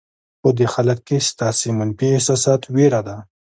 په دې حالت کې ستاسې منفي احساسات وېره ده.